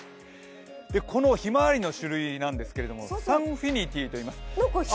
このひまわりの種類なんですけどサンフィニティといいます。